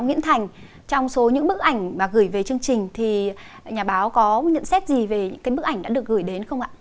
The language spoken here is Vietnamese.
nguyễn thành trong số những bức ảnh mà gửi về chương trình thì nhà báo có nhận xét gì về những cái bức ảnh đã được gửi đến không ạ